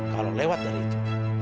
kalau lewat dari itu